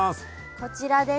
こちらです。